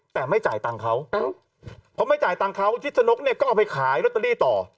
แต่ไม่จ่ายตังค์เขาเพราะไม่จ่ายตังค์เขาชิดชนกเนี่ยก็เอาไปขายลอตเตอรี่ต่อ